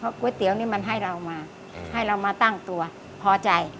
ก๋วยเตี๋ยวนี่มันให้เรามาให้เรามาตั้งตัวพอใจ